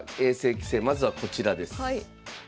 棋聖まずはこちらです。